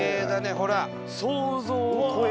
ほら。